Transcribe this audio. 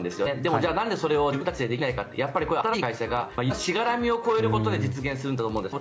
じゃあなんでそれを自分たちでできないかってやっぱり新しい会社が色んなしがらみを超えることで実現するんだと思うんですよね。